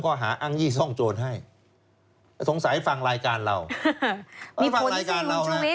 ข้อหาอ้างยี่ซ่องโจรให้สงสัยฟังรายการเรามีผลสิคุณชุมิ